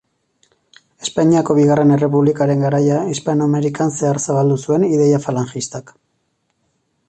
Espainiako Bigarren Errepublikaren garaia Hispanoamerikan zehar zabaldu zuen ideia falangistak.